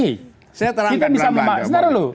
kita bisa sebentar dulu